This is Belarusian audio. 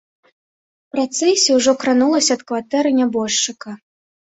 Працэсія ўжо кранулася ад кватэры нябожчыка.